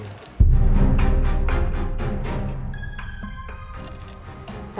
vagas diambil ya